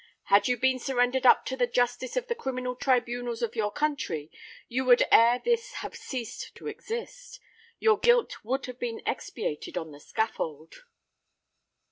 Had you been surrendered up to the justice of the criminal tribunals of your country, you would ere this have ceased to exist: your guilt would have been expiated on the scaffold."